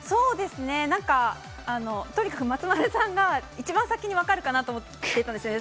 とにかく松丸さんが、一番先にわかるかなと思ってたんですね。